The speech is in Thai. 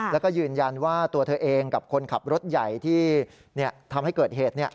แล้วก็ยืนยันว่าตัวเธอเองกับคนขับรถใหญ่ที่ทำให้เกิดเหตุ